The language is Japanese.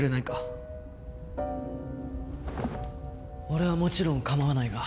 俺はもちろん構わないが。